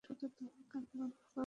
শুধু তোমরা কান বন্ধ করো।